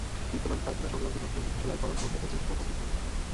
বিদ্যমান কারখানা সংলগ্ন নতুন চোলাইকরণ ও প্যাকেজিং ভবন নির্মাণ করা হয়।